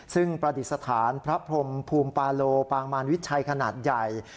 ซึ่งประดิษฐานพระพรมภูมิปาโลปางมารวิชัยขนาดใหญ่